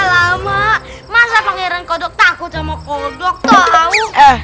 alamak masa pengirin kodok takut sama kodok tau